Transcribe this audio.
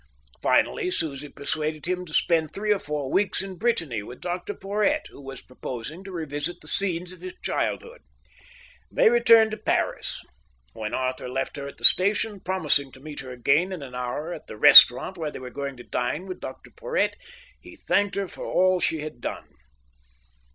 Finally Susie persuaded him to spend three or four weeks in Brittany with Dr Porhoët, who was proposing to revisit the scenes of his childhood. They returned to Paris. When Arthur left her at the station, promising to meet her again in an hour at the restaurant where they were going to dine with Dr Porhoët, he thanked her for all she had done.